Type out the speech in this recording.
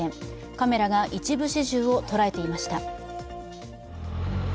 カメラが一部始終を捉えていました。